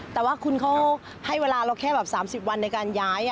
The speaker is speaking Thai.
แต่ว่าคุณเขาให้เวลาเราแค่แบบ๓๐วันในการย้าย